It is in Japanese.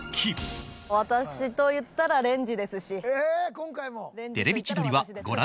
私といったらレンジですし。